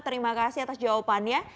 terima kasih atas jawabannya